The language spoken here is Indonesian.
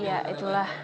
ia itu lah